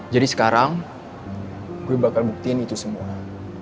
jadi sekarang gue bakal buktiin itu semua